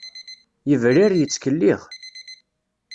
Yebrir yettkellix!